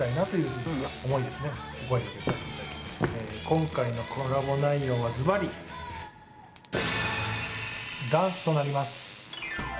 今回のコラボ内容はズバリダンスとなります。